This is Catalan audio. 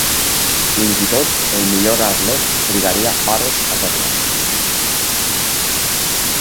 Fins i tot el millor ariet trigaria hores a fer-la.